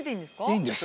いいんです。